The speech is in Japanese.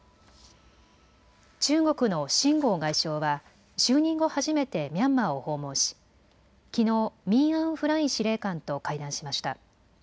中国の秦剛外相は就任後、初めてミャンマーを訪問しきのうミン・アウン・フライン司令官と会談しました。